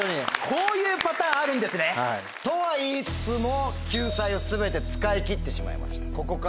こういうパターンあるんですね。とは言いつつも救済を全て使い切ってしまいました。